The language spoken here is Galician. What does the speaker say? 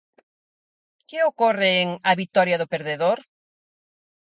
Que ocorre en "A vitoria do perdedor"?